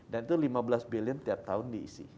dan itu lima belas billion tiap tahun diisi